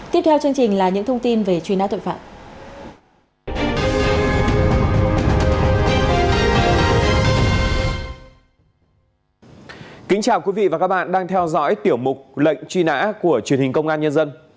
tiếp theo là những thông tin về truy nã tội phạm